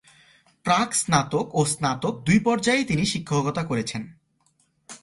প্রাক-স্নাতক ও স্নাতক দুই পর্যায়েই তিনি শিক্ষকতা করছেন।